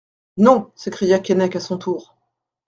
Non, s'écria Keinec à son tour.